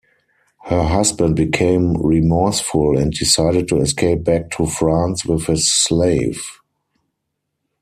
Her husband became remorseful and decided to escape back to France with his slave.